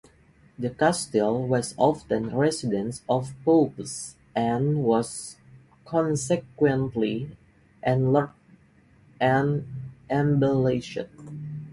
The Castle was often residence of Popes, and was consequently enlarged and embellished.